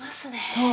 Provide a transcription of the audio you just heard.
そう。